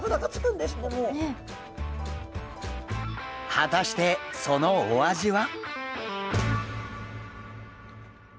果たしてそのお味は？